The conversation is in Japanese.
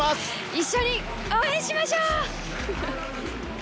一緒に応援しましょう！